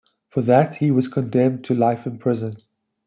For that, he was condemned to life in prison.